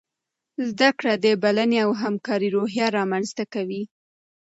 زده کړه د بلنې او همکارۍ روحیه رامنځته کوي.